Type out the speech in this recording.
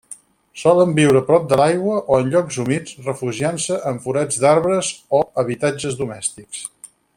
Solen viure prop de l'aigua o llocs humits, refugiant-se en forats d'arbres o habitatges domèstics.